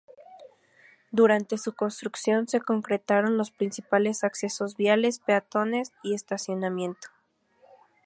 Durante su construcción se concretaron los principales accesos viales, peatones y estacionamiento.